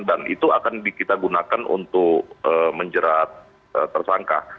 dan itu akan kita gunakan untuk menjerat tersangka